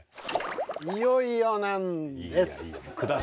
いよいよなんです。